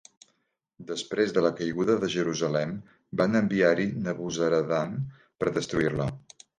Després de la caiguda de Jerusalem, van enviar-hi Nebuzaradan per destruir-la.